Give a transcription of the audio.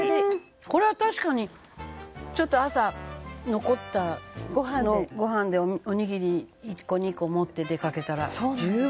これは確かにちょっと朝残ったご飯でおにぎり１個２個持って出かけたら十分！